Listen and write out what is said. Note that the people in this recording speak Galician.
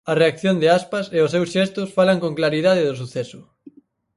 A reacción de Aspas e os seus xestos falan con claridade do suceso.